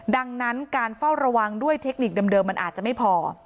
ดังนั้นการเฝ้าระวังด้วยเทคนิคเดิมมันอาจจะไม่พอ